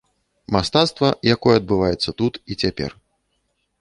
Мастацтва, якое адбываецца тут і цяпер.